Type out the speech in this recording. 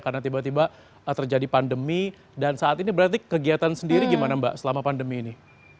karena tiba tiba terjadi pandemi dan saat ini berarti kegiatan sendiri gimana mbak selama pandemi ini